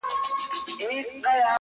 او هېڅ وخت راسره نشته